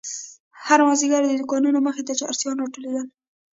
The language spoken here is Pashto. هر مازيگر د دوکانو مخې ته چرسيان راټولېدل.